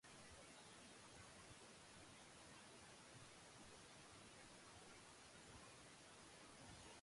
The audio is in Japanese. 日本で最初の江戸文学の講座を受け持った人として有名な藤井紫影や、